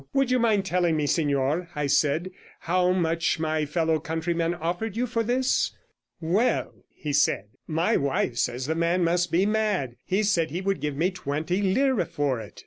"Would you mind telling me, Signor," I said, "how much my fellow countryman offered you for this?" "Well," he said, "my wife says the man must be mad; he said he would give me twenty lire for it."